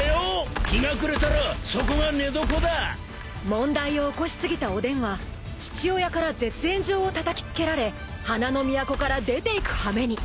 ［問題を起こしすぎたおでんは父親から絶縁状をたたきつけられ花の都から出ていくはめに］